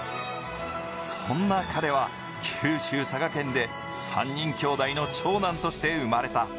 そんな彼は九州・佐賀県で３人兄弟の長男として生まれた。